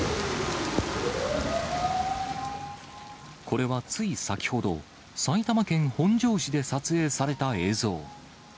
これはつい先ほど、埼玉県本庄市で撮影された映像。